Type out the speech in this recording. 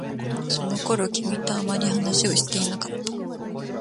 その頃、君とあまり話をしていなかった。